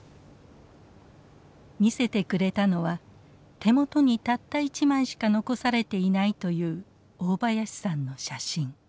見せてくれたのは手元にたった一枚しか残されていないという大林さんの写真。